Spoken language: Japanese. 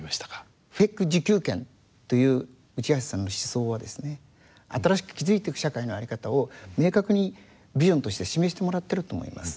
ＦＥＣ自給圏という内橋さんの思想はですね新しく築いてく社会の在り方を明確にビジョンとして示してもらってると思います。